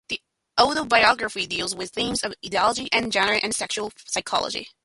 The autobiography deals with themes of ideology and gender and sexual psychology.